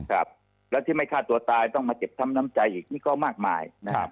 ครับแล้วที่ไม่ฆ่าตัวตายต้องมาเจ็บช้ำน้ำใจอีกนี่ก็มากมายนะครับ